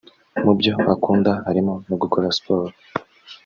Mu byo akunda harimo no gukora siporo